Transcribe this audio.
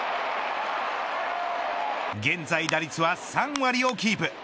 現在打率は３割をキープ。